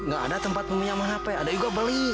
gak ada tempat peminjaman hp ada juga beli